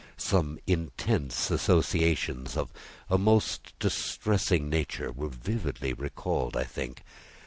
Some intense associations of a most distressing nature were vividly recalled, I think.